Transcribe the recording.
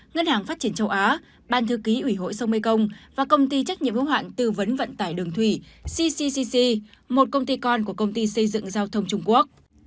ngân hàng phát triển châu á ban thư ký ủy hội sông mekong và công ty trách nhiệm hữu hạn tư vấn vận tải đường thủy cccc một công ty con của công ty xây dựng giao thông trung quốc